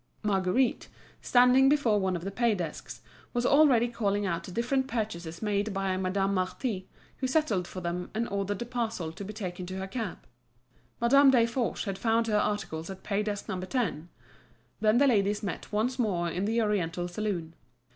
Marguerite, standing before one of the paydesks, was already calling out the different purchases made by Madame Marty, who settled for them and ordered the parcel to be taken to her cab. Madame Desforges had found her articles at pay desk No. 10. Then the ladies met once more in the oriental saloon.